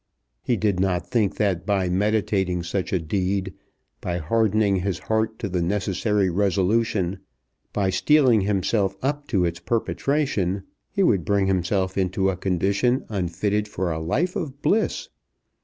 He did not think that by meditating such a deed, by hardening his heart to the necessary resolution, by steeling himself up to its perpetration, he would bring himself into a condition unfitted for a life of bliss.